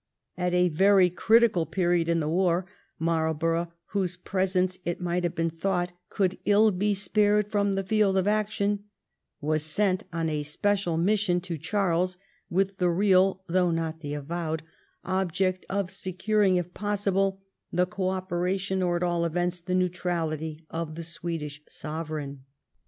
At a very critical period in the war Marlborough, whose presence it might have been thought could ill be spared from the field of action, was sent on a special mission to Charles with the real, although not the avowed, object of securing if possible the co opera tion, or at all events the neutrality, of the Swedish Sovereign.